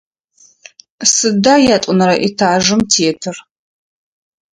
Сыда ятӏонэрэ этажым тетыр?